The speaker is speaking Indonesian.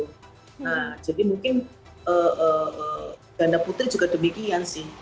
nah jadi mungkin ganda putri juga demikian sih